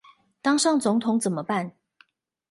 當上總統怎麼辦？